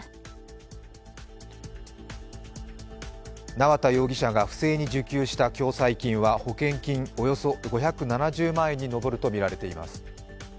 縄田容疑者が不正に受給した共済金や保険金およそ５７０万円に上るとみられています。